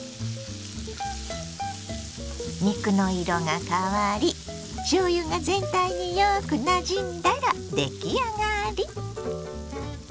肉の色が変わりしょうゆが全体によくなじんだら出来上がり。